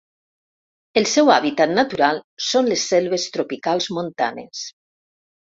El seu hàbitat natural són les selves tropicals montanes.